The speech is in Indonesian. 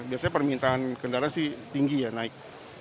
biasanya permintaan kendaraan sih tinggi ya naik